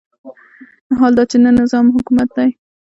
حال دا چې نه نظام حکومت دی.